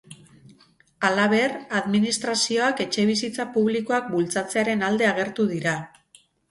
Halaber, administrazioak etxebizitza publikoak bultzatzearen alde agertu dira.